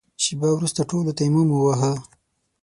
شېبه وروسته ټولو تيمم وواهه.